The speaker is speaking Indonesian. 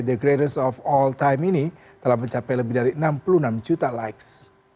the greates of all time ini telah mencapai lebih dari enam puluh enam juta likes